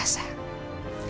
terserah kamu mau bilang apa sa